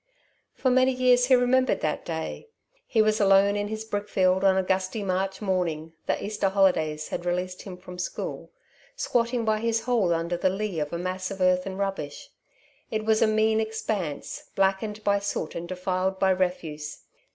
For many years he remembered that day. He was alone in his brickfield on a gusty March morning the Easter holidays had released him from school squatting by his hole under the lee of a mass of earth and rubbish. It was a mean expanse, blackened by soot and defiled by refuse.